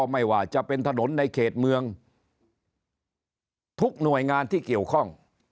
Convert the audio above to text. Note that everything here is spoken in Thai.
ไม่ว่าจะเป็นถนนในเขตเมืองทุกหน่วยงานที่เกี่ยวข้อง